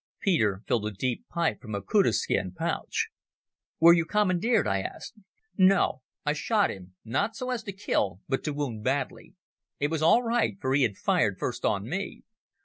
Peter filled a deep pipe from a kudu skin pouch. "Were you commandeered?" I asked. "No. I shot him—not so as to kill, but to wound badly. It was all right, for he fired first on me.